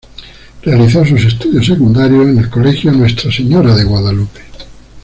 Realizó sus estudios secundarios en el Colegio Nuestra Señora de Guadalupe.